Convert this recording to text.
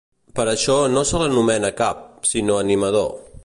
Per això no se l’anomena Cap, sinó Animador.